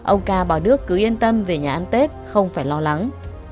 ông ca bà đức cứ yên tâm về nhà ăn tết không phải lo lắng